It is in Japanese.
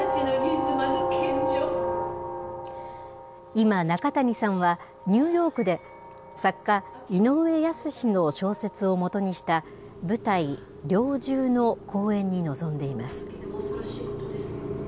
今、中谷さんは、ニューヨークで、作家、井上靖の小説をもとにした舞台、猟銃の公演に臨んでいます。